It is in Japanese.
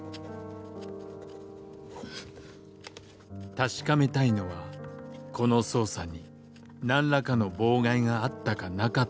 確かめたいのはこの捜査に「何らかの妨害」があったかなかったかの点である。